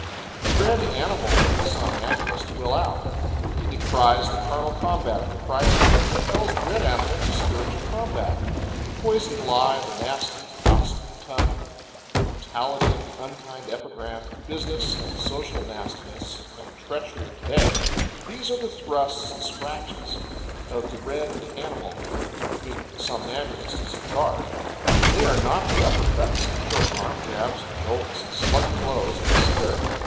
The red animal in the somnambulist will out. He decries the carnal combat of the prize ring, and compels the red animal to spiritual combat. The poisoned lie, the nasty, gossiping tongue, the brutality of the unkind epigram, the business and social nastiness and treachery of to day these are the thrusts and scratches of the red animal when the somnambulist is in charge. They are not the upper cuts and short arm jabs and jolts and slugging blows of the spirit.